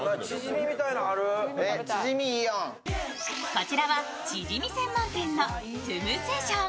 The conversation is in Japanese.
こちらはチヂミ専門店のトゥムセジョン。